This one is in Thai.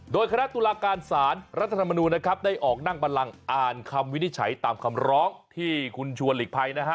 โดยคณะตุลาการสารรัฐธรรมนูลนะครับได้ออกนั่งบันลังอ่านคำวินิจฉัยตามคำร้องที่คุณชวนหลีกภัยนะฮะ